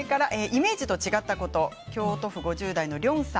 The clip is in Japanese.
イメージと違ったこと京都府５０代の方。